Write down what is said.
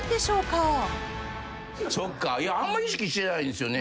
あんま意識してないんですよね。